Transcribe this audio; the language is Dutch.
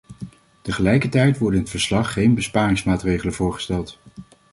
Tegelijk worden in het verslag geen besparingsmaatregelen voorgesteld.